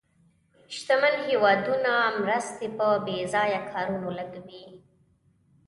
شتمن هېوادونه مرستې په بې ځایه کارونو لګوي.